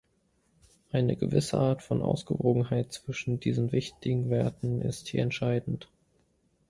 Eine gewisse Art von Ausgewogenheit zwischen diesen wichtigen Werten ist hier entscheidend.